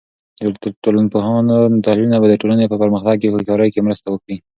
د ټولنپوهانو تحلیلونه به د ټولنې په پرمختګ کې هوښیارۍ کې مرسته وکړي.